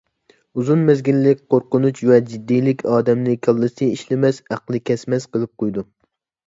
ئوزۇن مەزگىللىك قورقۇنچ ۋە جىددىيلىك ئادەمنى كاللىسى ئىشلىمەس، ئەقلى كەسمەس قىلىپ قويىدۇ.